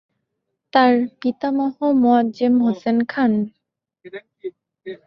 তাঁর পিতামহ মোয়াজ্জেম হোসেন খান।